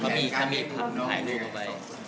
เขามีอีกครั้งถ่ายลูกมาไว้